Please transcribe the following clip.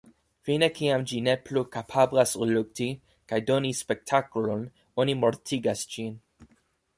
Fine kiam ĝi ne plu kapablas lukti, kaj "doni spektaklon", oni mortigas ĝin.